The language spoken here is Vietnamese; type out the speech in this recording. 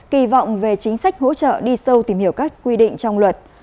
kỳ vọng về chính sách hỗ trợ đi sâu tìm hiểu các quy định trong luật